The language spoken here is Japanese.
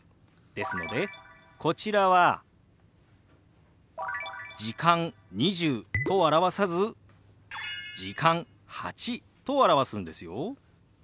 ですのでこちらは「時間」「２０」と表さず「時間」「８」と表すんですよ。